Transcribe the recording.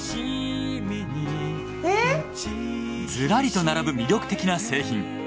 ずらりと並ぶ魅力的な製品。